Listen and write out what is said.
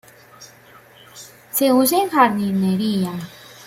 Se usa en jardinería.